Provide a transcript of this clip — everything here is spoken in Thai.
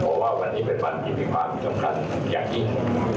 เพราะว่าวันนี้เป็นวันที่มีความสำคัญอย่างยิ่ง